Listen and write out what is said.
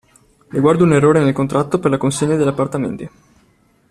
Riguardo un errore nel contratto per la consegna degli appartamenti.